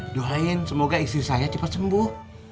johain semoga istri saya cepat sembuh